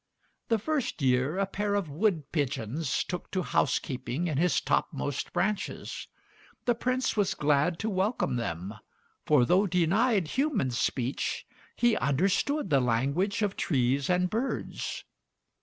The first year a pair of wood pigeons took to housekeeping in his topmost branches. The Prince was glad to welcome them, for though denied human speech, he understood the language of trees and birds.